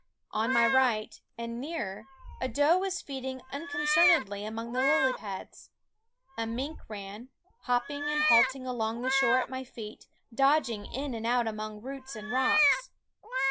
On my right, and nearer, a doe was feed ing unconcernedly among the lily pads. A mink ran, hopping and halting, along the shore at my feet, dodging in and out among roots and rocks.